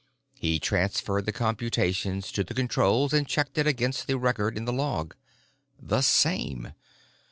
He transferred the computations to the controls and checked it against the record in the log. The same.